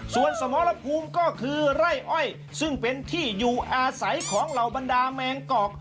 ส่วนสมรภูมิก็คือไร่อ้อยซึ่งเป็นที่อยู่อาศัยของเหล่าบรรดาแมงกอก